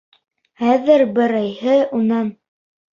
Хәҙер берәйһе унан: